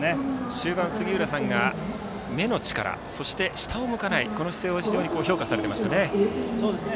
終盤、杉浦さんが目の力、そして下を向かないこの姿勢を評価されてましたね。